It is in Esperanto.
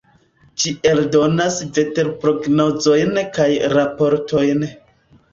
Ĝi eldonas veterprognozojn kaj raportojn.